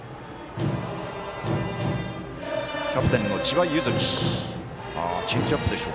キャプテンの千葉柚樹。